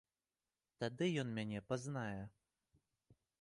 Тады ён мяне пазнае.